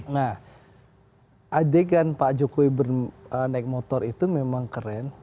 nah adegan pak jokowi naik motor itu memang keren